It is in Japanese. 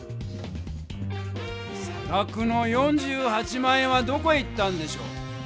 さがくの４８万円はどこへ行ったんでしょう？